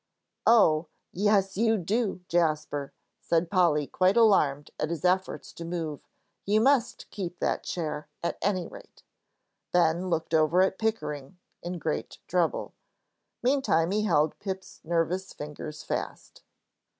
"Oh, yes, you do, Jasper," said Polly, quite alarmed at his efforts to move; "you must keep that chair, at any rate." Ben looked over at Pickering in great trouble. Meantime he held Pip's nervous fingers fast.